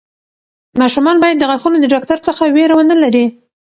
ماشومان باید د غاښونو د ډاکټر څخه وېره ونه لري.